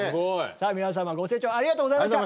さあ皆様ご清聴ありがとうございました。